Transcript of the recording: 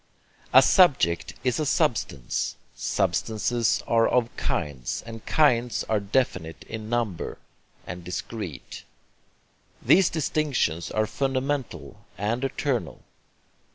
A subject is a substance. Substances are of kinds, and kinds are definite in number, and discrete. These distinctions are fundamental and eternal.